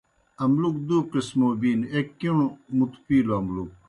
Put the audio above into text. املُک دُوْ قِسمو بِینوْ، ایْک کِݨوْ مُتوْ پِیلوْ املُک۔